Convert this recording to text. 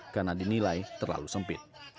karena dinilai terlalu sempit